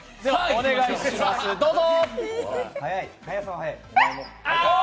お願いします、どうぞ。